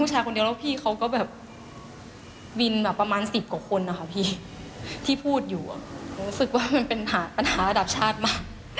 เห็นรู้สึกว่ามันเป็นปัญหาระดับชาติมาก